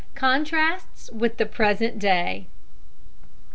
CONTRASTS WITH THE PRESENT DAY.